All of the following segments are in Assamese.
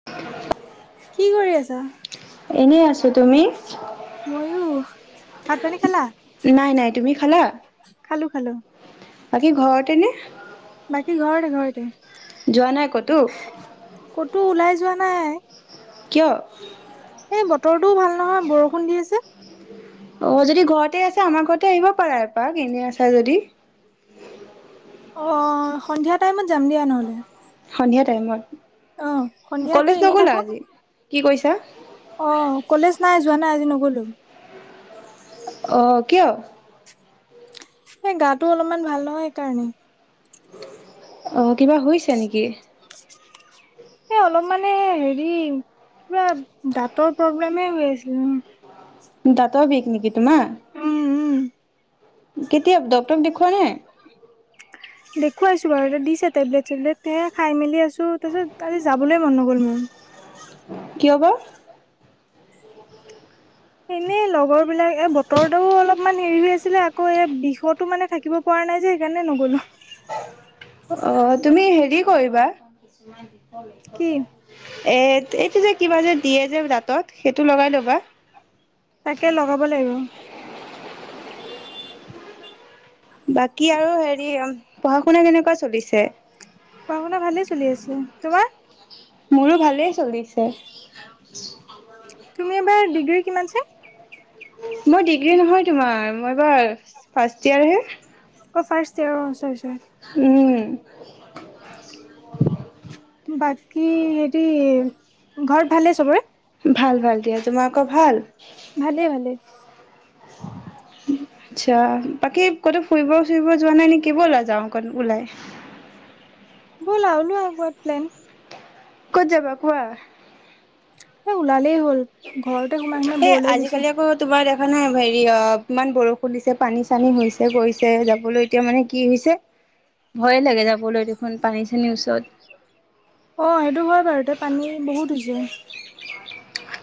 [inaudible] কি কৰি আছা? এনেই আছো। তুমি? ময়ো ভাত পানী খালা? নাই নাই। তুমি খালা? খালো খালো। বাকী ঘৰতেনে? বাকী ঘৰতে ঘৰতে, যোৱা নাই ক'তো ক'তো ওলাই যোৱা নাই। কিয়? এই বতৰটোও ভাল নহয়, বৰষুণ দি আছে। অ যদি ঘৰতে আছে আমাৰ ঘৰতে আহিব পাৰা এপাক এনে আছা যদি অ সন্ধিয়া টাইমত যাম দিয়া নহ'লে সন্ধিয়া টাইমত অ' সন্ধিয়াটো কলেজ এনেই নগ'লা থাকো। আজি কি কৰিছা অ কলেজ নাই যোৱা নাই আজি নগলো অ কিয় এই গাটো অলপমান ভাল নহয় সেইকাৰণে অ কিবা হৈছে নেকি [inaudible] এই অলপ মানে হেৰি কিবা দাঁতৰ প্ৰব্লেমে হৈ আছিল দাঁতও বিষ নেকি তোমাৰ উম। কেতিয়া ডক্টৰ দেখুৱা নাই দেখুৱাইছোঁ বাৰু এতিয়া দিছে টেবলেট চেবলেট স খাই মেলি আছোঁ তাৰপিছত কালি যাবলৈ মন নগ'ল মোৰ কিয় বা এনেই লগৰ বিলাক এই বতৰতোও অলপমান হেৰি হৈ আছিলে আকৌ এ বিষতো মানে থাকিব পৰা নাই যে সেইকাৰণে নগ'লো অহ তুমি হেৰি কৰিবা কি এই এইটো যে কিবা যে দিয়ে যে দাঁতত সেইটো লগাই ল'বা তাকে লগাব লাগিব বাকী আৰু হেৰি পঢ়া শুনা কেনেকুৱা চলিছে পঢ়া শুনা ভালে চলি আছে তোমাৰ মোৰো ভালেই চলিছে তুমি এবাৰ ডিগ্ৰী কিমান ছেম মই ডিগ্ৰী নহয় তোমাৰ মই এবাৰ ফাৰ্ষ ইয়াৰহে অ ফাৰ্ষ্ট ইয়ৰৰ অ চৰী চৰী উম বাকী হেৰি ঘৰত ভালেই চবৰে ভাল ভাল দিয়া তোমাৰ আকৌ ভাল ভালে ভালে [inaudible] আচ্ছা বাকী ক'তো ফুৰিব চুৰিব যোৱা নাই নেকি বলা যাও কৰবাত ওলাই ব'লা ওলোৱা কৰবাত প্লেন ক'ত যাবা কোৱা এই ওলালেই হ'ল ঘৰতে সোমাই সেনা এ বৰ লাগি আজিকালি গৈছে। আকৌ তোমাৰ দেখা নাই, হেৰি অ ইমান বৰষুণ দিছে পানী চানী হৈছে গৈছে যাবলৈ এতিয়া মানে কি হৈছে [inaudible] ভয়ে লাগে না যাবলৈ দেখোন পানী চানীৰ ওচৰত অ', সেইটো হয় বাৰু, এতিয়া পানী বহুত হৈছে।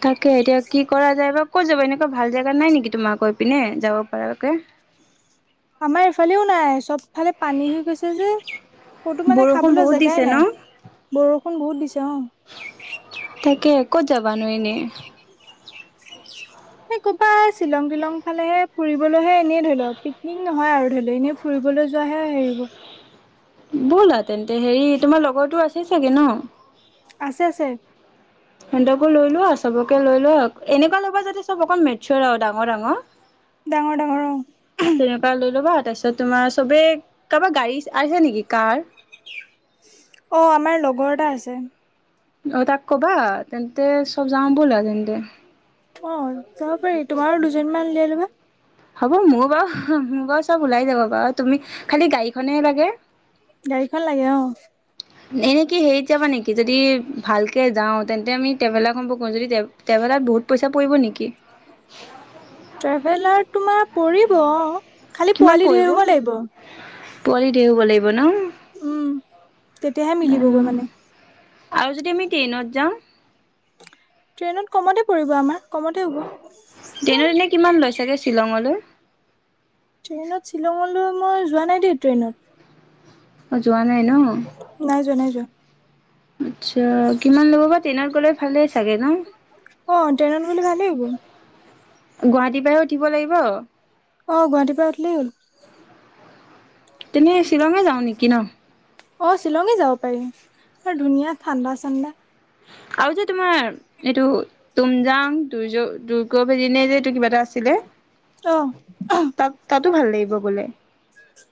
তাকে এতিয়া কি কৰা যায় বা কত যাবা এনেকুৱা ভাল জেগা নাই নেকি তোমাক কৈ পিনে যাব পৰাকে আমাৰ এইফালেও নাই চবফালে পানী হৈ গৈছে যে ক'তো মানে বৰষুণ খাবলৈ বহুত জেগাই দিছে ন নাই বৰষুণ বহুত দিছে অ', তাকে, কত যাবা ন এনে [inaudible] এই ক'ৰবাই এই শ্বিলং তিলং ফালেহে ফুৰিবলৈহে এনেই ধৰি লওক পিকনিক নহয় আৰু ধৰি লও এনে, ফুৰিবলৈ যোৱাহে হেৰিব ব'লা তেন্তে, হেৰি তোমাৰ লগৰটো আছেই চাগে ন আছে, আছে, সিহঁতকো লোৱা আৰু চবকে লৈ লোৱা এনেকুৱা ল'ব যাতে চব অকণ মিটচিওৰ আৰু ডাঙৰ ডাঙৰ। ডাঙৰ ডাঙৰ। তেনেকুৱা লৈ ল'বা, আৰু তাৰপিছত তোমাৰ চবে কাৰোবাৰ গাড়ী আছে নেকি কাৰ। অ', আমাৰ লগৰ এটাৰ আছে। অ, তাক ক'বা তেন্তে, চব যাওঁ ব'লা তেন্তে। অ', যাব পাৰি তোমাৰো দুজনীমান লৈ ল'বা। হ'ব, মোৰ বাৰু মোৰ বাৰু চব ওলাই যাব বাৰু তুমি খালি গাড়ীখনহে লাগে। গাড়ীখন লাগে অ, '। এনেই কি হেৰিত যাবা নেকি? যদি ভালকৈ যাওঁ, তেন্তে আমি ট্ৰেভেলাৰখন বুক কৰো। যদি ট্ৰেভেলাৰত বহুত পইচা পৰিব নেকি? ট্ৰেভেলাৰ তোমাৰ পৰিব অ',। খালি কিমান পোৱালি ধেৰ পৰিব? হ'ব লাগিব পোৱালি ধেৰ হব লাগিব ন? উম, তেতিয়াহে মিলিবগৈ অ', মানে। আৰু যদি আমি ট্ৰেইনত যাওঁ? ট্ৰেইনত কমতে পৰিব আমাৰ কমতে হ'ব। ট্ৰেইনত এনে কিমান লৈ চাগে শ্বিলঙলৈ? ট্ৰেইনত, শ্বিলঙলৈ মই যোৱা নাই দেই ট্ৰেইনত। অ', যোৱা নাই ন? নাই যোৱা, নাই যোৱা। আচ্ছা, কিমান ল'ব বা ট্ৰেইনত গ'লে। ভালেই চাগে ন? অ ট্ৰেইনত গ'লে ভালেই হ'ব গুৱাহাটীৰ পৰাহে উঠিব লাগিব। অ', গুৱাহাটীৰ পৰা উঠিলই হ'ল। তেনে শ্বিলঙে যাওঁ নেকি ন? অ', শ্বিলঙে যাব পাৰিম বৰ ধুনীয়া ঠাণ্ডা-চাণ্ডা। আৰু যে তোমাৰ এইটো তুমজাং দ, দুৰ্গ ভেদনে যে, এইটো কিবা এটা আছিলে। অ, '। তাত তাতো ভাল লাগিব গ'লে,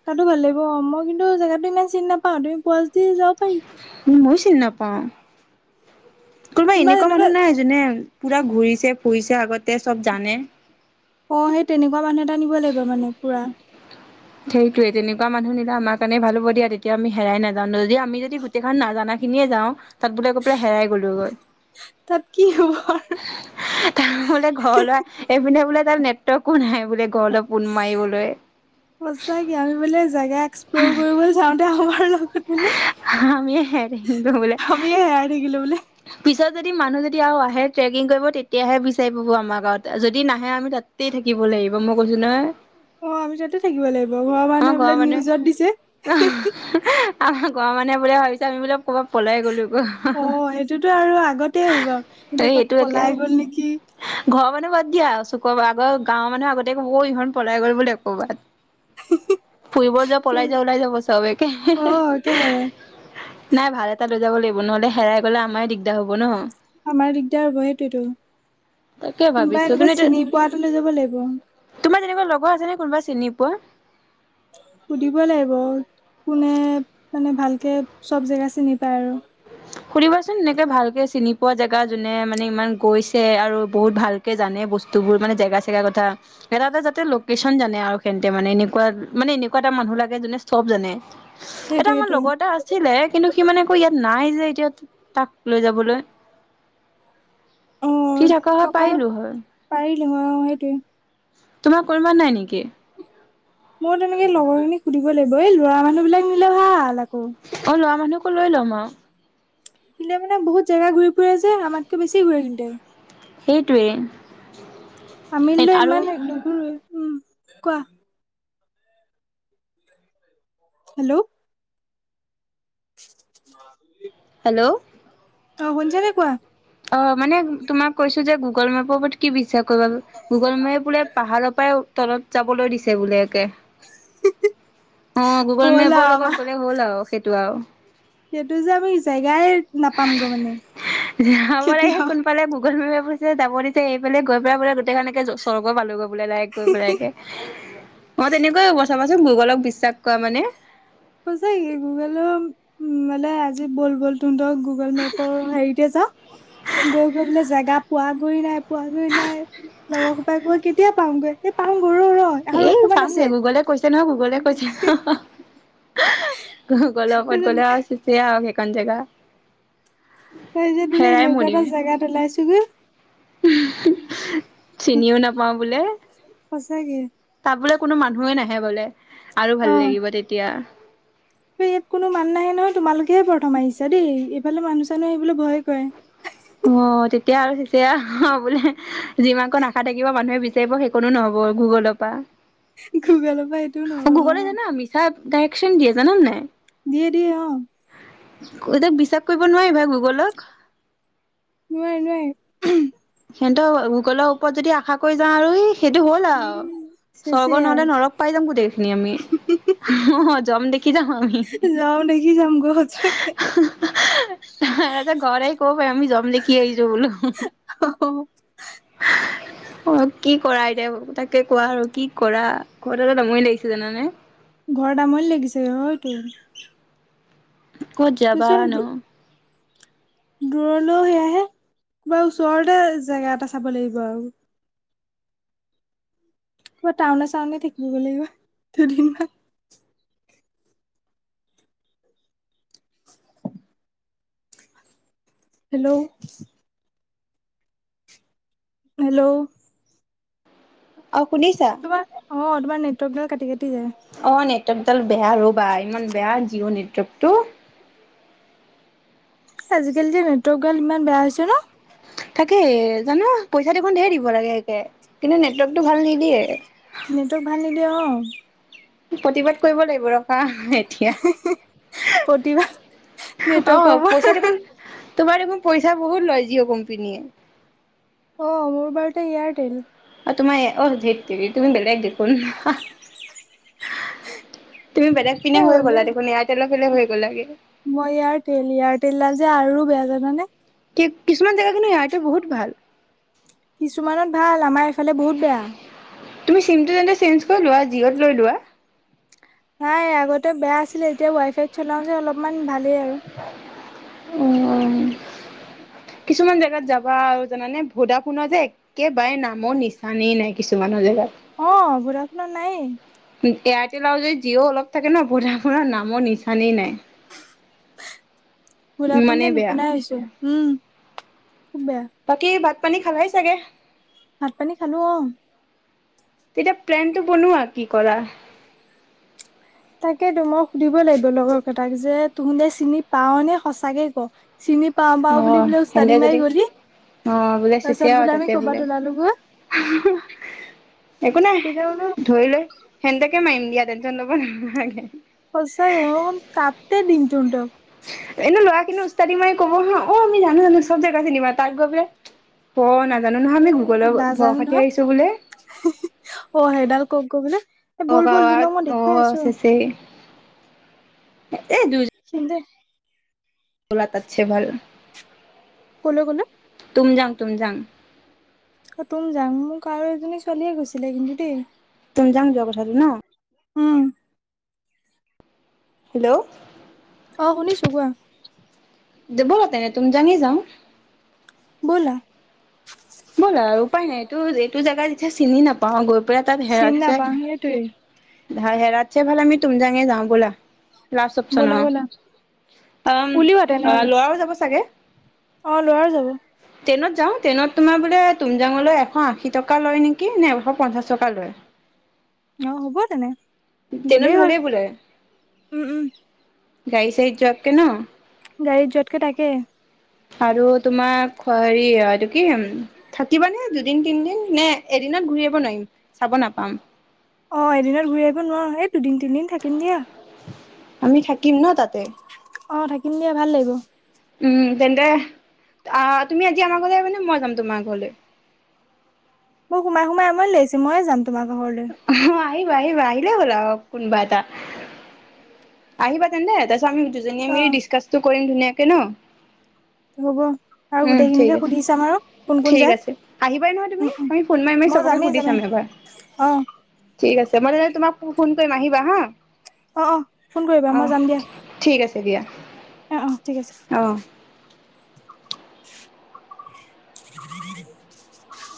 তাতো ভাল লাগিব অ', মই কিন্তু জেগাতো ইমান চিনি নাপাওঁ তুমি পুৱি যদি যাব পাৰি। ম‌ইও চিনি নাপাও, কোনোবা এনেকুৱা মানুহ নাই? যোনে, পুৰা ঘূৰিছে-ফুৰিছে আগতে, চব জানে। অ', সেই তেনেকুৱা মানুহ এটা নিব লাগিব মানে ফুৰা। সেইটোয়ে তেনেকুৱা মানুহ নিলে আমাৰ কাৰণ ভাল হব দিয়া, তেতিয়া আমি হেৰাই নাজাও যদি আমি যদি গোতেইখন নাজানা খিনিয়ে যাওঁ, তাত বোলে আকৌ পুৰা হেৰাই গ'লো গৈ। তাত কি হ'ব আৰু [inaudible] তাৰ বোলে ঘৰলৈ, এইপিনে বোলে তাৰ নেটৱৰ্কো নাই বোলে ঘৰলৈ ফোন মাৰিবলৈ। সঁচাকে, আমি বোলে জেগা এক্সপ্ল'ৰ কৰিবলৈ যাওঁতে, আমাৰ লগত বোলে আমি [unintelligible] বোলে। [inaudible] বোলে। পিছত যদি, মানুহ যদি আৰু আহে ট্ৰেকিং কৰিব, তেতিয়াহে বিচাৰি পাব আমাক যদি নাহে আমি তাত তাতেই থাকিব লাগিব, মই কৈছো নহয়। অ', আমি তাতে থাকিব লাগিব ঘৰৰ মানুহে এইবিলাক নিউজত দিছে। আমাৰ গাঁৱৰ মানুহে বোলে ভাবিছে, আমি বোলে ক'বাত পলাই গ'লো অ গৈ। সেইটোতো আৰু আগতে আহিব, সিহঁতে ক'ত এইটো একে আৰু পলাই গ'ল নেকি? ঘৰৰ মানুহে বাদ দিয়া চুকুৰ আগ গাঁৱৰ মানুহে আগতে ক'ব, ইহত পলাই বোলে ক'বাত। ফুৰিব যোৱা, পলাই যোৱা ওলাই যাব চব একে। অ একেবাৰে নাই ভাল এটা লৈ যাব লাগিব, নহ'লে হেৰাই গলে আমাৰে দিগদাৰ হব ন? আমাৰ দিগদাৰ হ'ব সেইটোয়েতো, তাকে কোনোবা ভাবিছো এনেকুৱা কিন্তু এতিয়া চিনি পোৱা এটা লৈ যাব লাগিব। তোমাৰ তেনেকুৱা লগৰ আছে নে কোনোবা চিনি পোৱা? সুধিব লাগিব, কোনে মানে ভালকৈ চব জেগা চিনি পায় আৰু। সুধিবাচোন, এনেকে ভালকে চিনি পোৱা জেগা যোনে মানে ইমান গৈছে আৰু বহুত ভাল জানে বস্তুবোৰ মানে জেগা চেগাৰ কথা। এটা এটা যাতে লোকেশচন জানে আৰু হেন্তে, মানে এনেকুৱা মানে এনেকুৱা এটা মানুহ লাগে, যোনে সব জানে। এটা সেইটোৱে আমাৰ সেইটোৱে লগৰ এটা আছিলে, কিন্তু সি মানে আকৌ ইয়াত নাই যে এতিয়া তাক লৈ যাবলৈ। ফি থকা হয় পাৰিলো হয় পাৰিলোঁ অঁ সেইটোৱে তোমাৰ পৰিমা নাই নেকি? মই তেনেকে লগৰ খিনি সুধিব লাগিব এই ল'ৰা মানুহ বিলাক নিলে ভাল আকৌ। অ, ল'ৰা মানুহকো লৈ ল'ম আৰু। কিন্তে মানে বহুত জেগা ঘূ ফুৰে যে আমাতকৈ বেছি ঘূৰে সিন্তে। সেইটোৱেই। [inaudible] ইমান লাগৰুৱে উম, কোৱা। হেল্ল' [inaudible] হেল্ল' অ, শুনিছানে কোৱা। অ, মানে তোমাক কৈছো যে গুগল মেপৰ ওপৰত কি বি গুগল ম বোলে পাহাৰৰ পৰাই তলত যাবলৈ দিছে একে। অ, গুগল হ'ল আও মেপৰ আমা লগত গ'লে হ'ল আৰু সেইটো আৰু। সেইটো যে আমি জেগাই নাপামগৈ মানে। হাব লাগ সে কেতিয়াও কোন পালে গুগল মেপছে যাব দিছে এই পফাল গৈ পাই বোলে গোটেই খনেকে সৰ্গ পালোগ'। [inaudible] পেলাইে মই তেনেকৈ ব চাবাচোন গুগলক বিশ্বাস কৰা মানে। কছ গুগল মলে এজ এই বল বল ততু গুগল মেপৰ হেৰিতে যাওঁ গৈ গৈ পেলাই জেগা পোৱা গৈ নাই পোৱা গৈ নাই লগৰ কোপাই কৈ কেতিয়া পামগৈ এই পাম গৈ ৰ' ৰ'। আৰু এই অকমান পামগে আছে গুগলে কৈছে নহ গুগলে কৈছে গ'লে ওপৰত গ'লে তাৰপিছত আৰু চিছে আহক সেইখন জেগা। তই যে তোলে হেৰাই এনেকুৱা মৰিম এটা জোগাত ওলাইছোগে। চিনিও নাপাওঁ বোলে। সঁচাকে তাত বোলে কোনো মানুহেই নাহে বোলে আৰু ভাল লাগিব তেতিয়া। ত ইয়াত কোনো মান নাহে নহয় তোমালোকেহে প্ৰথম আহিছা দেই এইফালে মানুহ চানুহ আহিবলৈ ভয়ে কৰে। অ, তেতিয়া আৰু সচ অ বোলে যিমান কণ আশা থাকিব মানুহে বিচাৰিব সেইকণো নহ'ব গুগলত অ, গুগলৰ পৰা এইটো ন গুগলে জানা মিছা ডাইৰেকচন দিয়ে জানান নাই? দিয়ে দিয়ে, অ, এইতক বিশ্বাস কৰিব নোৱাৰি এইবাৰ গুগলক। নোৱাৰি নোৱাৰি। সিহতৰ গুগলৰ ওপৰত যদি আশা কৰি যাওঁ আৰু সেইটো হ'ল আৰু স্বৰ্গ চেচেই আৰু নহ'লে নৰৱ পাই যাম গোটেইখিনি আমি উম জম দেখি যাম আমি যাওঁ দেখি যাম গৈ সঁচাকে। আচ্ছা ঘৰে ক'ব প আমি জম দেখ কি আহিছো বোলো অ' [unintelligible] অ', কি কৰা এতিয়া তাকে কোৱা আৰু কি কৰা ঘৰতে এটা ডাামৰি লাগিছে জানানে ঘৰ তামনি লাগিছে অ', তোৰ ক'ত যাবা নো দূৰলৈও সেয়াহে কবাৰ ওচৰতে জেগা এটা চাব লাগিব আৰু টাউনে চাউনে থাকিব লাগিব দুদিনমান হেল্ল' হেল্ল' অ শুনিছা? তোমাৰ অ', তোমাৰ নেটৱৰ্কব কাটি কাটি যায়। অ', নেটৱৰ্কডাল বেয়া ৰ'বা ইমান বেয়া জিঅ' নেটৱৰ্ক টো আজিকালি যে নেটৱৰ্কডাল ইমান বেয়া হৈছে ন তাকেই জান পইচা দেখন ধঢেৰ দিব লাগে একে কিন্তু নেটৱৰ্কতটো ভাল নিদিয়ে নটক ভাল নিদিয়ে অ' প্ৰতিবাদ কৰিব লাগিব ৰবা অ', প্ৰতিভা নেটৱৰ্কৰ পৰা পইচা দেখোন তোমাৰ একখন পইচা বহুত লয় জিঅ' কোম্পনীয়ে অ', মোৰবাইল টা এয়াৰটেল তোমাৰ হেততেৰি তুমি বলেগ দেখোন তুমি বেলেগ পিধনে এ হৈ গ'লা হ'লেই দেখোন এআৰটেলৰ পেলায় হৈ গ'লগে মই এয়াৰটেল এয়াৰটেলাল যে আৰু বেয়া জানে কি কিছুমান জেগা কিন্তু এয়া বহুত ভাল। কিছুমানত ভাল আমাৰ এইফালে বহুত বেয়া তুমি চিমটো তেন্ত চেঞ্জ কৰি লোৱা জিঅত লৈ লোৱা নাই আগতে বেয়া আছিলে এতিয়া ৱাই ফাই চলাও যে অলপমান ভালেই আৰু উম [inaudible] কিছুমান জোগাত যাবা আৰু জানে ভোদা ফোনত যে একেবাৰে নামৰ নিচানেই নাই কিছুমানৰ জেগাত অ', বুঢ়া শুনা নাই এ এয়াৰটেল আৰু যদি জিঅ' অলপ থাকে ন বঢ়া নামো নিচানেই নাই ঘুৰা পোন যে ইমানেই বেয়া। নুশুনাইছো উম খুব বেয়া বাকী ভাত পানী খালাই চাগে? ভাত পানী খালো অ' এতিয়া প্লেনটো বনোৱা কি কৰা তাকেইেতো মই সুধিব লাগিব লগৰ কেইটাক যে তুহুতে চিনি পাও নে সঁচাকে ক চিনি পাওঁ পাওঁ বুলি অ' সেন্তে অচতাদি মাৰি যদি গলি অ', বোলে চিছে তাৰপিছত আৰু আমি তাতে ক'ৰবাত বোলে ওলালোগৈ একো নাই তেতিয়া বোলো ধৰি লৈ সেনেতেকে মাৰিম দিয়া টেনচন ল'ব নাগে সঁচায় ও তাতে দিনটোৰ দোখ এনে ল'ৰা খিনি অস্তাদি মাই ক'ব হা অ আমি জানো জানো চব জেগা চিমা তাক গৈ পোলে অ', নাজানো নহয় এ আমি গুগলৰ ভয় নাজানো খাতি নহয় আহিছো বোলে অ', সেইডাল কওক গৈ বোলে এ অ' বল বল দুন গাৱাত মই দেখুৱাই অ' আছো এই দুই [unintelligible] বোলা তাতছে ভাল ক'লৈ ক'লৈ টুমজাং, টুমজাং। অ টুমজাং মোক আৰু এজনী ছোৱালীয়ে গৈছিলে কিন্তু দেই। টুমজাং যোৱাৰ কথাটো নহ। হুম। হেল্ল'। অ শুনিছোঁ কোৱা। দিব তে টুমজাঙে যাওঁ। ব'লা। ব'লা আৰু উপায় নাই এইটো, এইটো জেগা যেতিয়া চিনি নাপাওঁ গৈ পেলাই তাত চিনি হেৰাত ছেই। নাপাওঁ সেইটোৱে হেৰাতছে ভাল আমি টুমজাঙে যাওঁ বোলা। লাষ্ট অপচন ব'লা অ ব'লা উম উলিওৱা তেনেহলে ল'ৰাও যাব চাগে। অ ল'ৰাও যাব। ট্ৰেইনত যাওঁ ট্ৰইনত। তোমাৰ বোলে টুমজাংলৈ এশ আশী টকা লয় নেকি নে এশ পঞ্চাছ টকা লয়। অ হ'ব তেনে। ট্ৰেইনত গ'লেই হ'ল ভালই বোলে উম উম গাড়ী চাৰিত যোৱাতকে নহ। গাড়ীত যোৱাতকে তাকে। আৰু তোমাৰ হেৰি এইটো কি। থাকিবা নে দুদিন তিনদিন নে, এদিনত ঘূৰি আহিব নোৱাৰিম চাব নাপাম। অ', এদিনত ঘূৰি আহিব নোৱাৰো সেই দুদিন তিনিদিন থাকিম দিয়া। আমি থাকিম নহ তাতে। অ', থাকিম দিয়া ভাল লাগিব। উম', তেন্তে আ তুমি আজি আমাৰ ঘৰলৈ আহিবা নে মই যাম তোমাৰ ঘৰলৈ। মোৰ সোমাই সোমাই আমনি লাগিছে, মইয়ে যাম তোমাৰ ঘৰলে। অ', আহিবা আহিবা আহিলে হ'ল আৰু কোনোবা এটা। আহিবা তেন্তে তাৰপিছত আমি দুজনীয়ে মিলি ডিচকাচটো কৰিম ধুনীয়াকে নহ। হ'ব আৰু উম' গোটেইখিনিকে ঠিক সুধি চাম আৰু কোন আছে কোন যায়। ঠিক আছে আহিবাই নহয় উম, তুমি উম, পাৰি ফোন মাৰি মাৰি মই চবকে যামেই সুধি যামেই চাম যাবা। অ। ঠিক আছে, মই তেনেহ'লে তোমাক ফোন কৰিম আহিবা হা। অ', অ'। ফোন কৰিবা মই অহ' যাম দিয়া ঠিক আছে দিয়া। অ', অ', ঠিক আছে। অহ'। [inaudible]